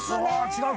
違う？